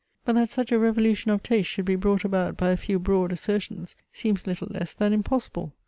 But that such a revolution of taste should be brought about by a few broad assertions, seems little less than impossible.